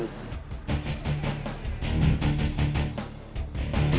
nggak ada yang tahu